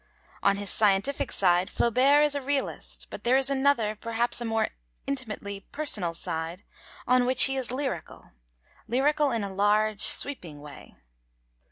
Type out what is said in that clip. On his scientific side Flaubert is a realist, but there is another, perhaps a more intimately personal side, on which he is lyrical, lyrical in a large, sweeping way.